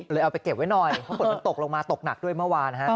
เอาไปเก็บไว้หน่อยเพราะฝนมันตกลงมาตกหนักด้วยเมื่อวาน